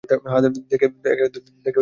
হ্যাঁ, দেখে তেমনই মনে হচ্ছে।